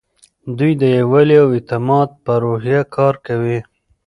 دوی د یووالي او اعتماد په روحیه کار کوي.